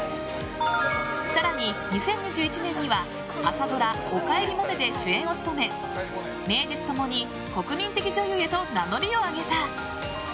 更に２０２１年には、朝ドラ「おかえりモネ」で主演を務め名実共に国民的女優へと名乗りを上げた。